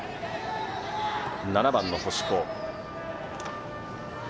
７番、星子。